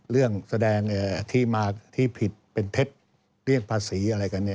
เรื่องแสดงที่มาที่ผิดเป็นเท็จเรียกภาษีอะไรกัน